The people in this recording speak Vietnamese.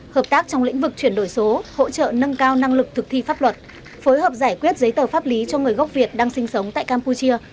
hợp tác trong lĩnh vực chuyển đổi số hỗ trợ nâng cao năng lực thực thi pháp luật phối hợp giải quyết giấy tờ pháp lý cho người gốc việt đang sinh sống tại campuchia